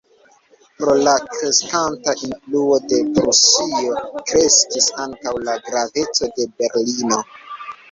Pro la kreskanta influo de Prusio kreskis ankaŭ la graveco de Berlino.